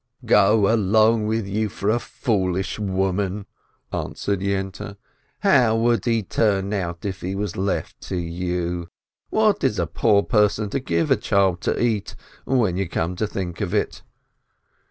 "Go along with you for a foolish woman!" answered Yente. "How would he turn out if he were left to you ? What is a poor person to give a child to eat, when you come to think of it?"